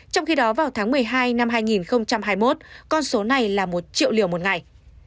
trong khi đó vào tháng một mươi hai năm hai nghìn hai mươi một con số này là một triệu liều một ngày